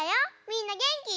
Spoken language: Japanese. みんなげんき？